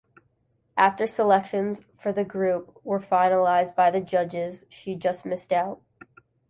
After selections for the group were finalised by the judges, she just missed out.